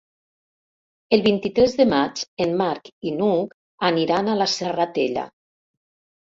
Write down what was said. El vint-i-tres de maig en Marc i n'Hug aniran a la Serratella.